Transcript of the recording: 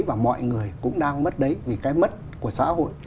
và mọi người cũng đang mất đấy vì cái mất của xã hội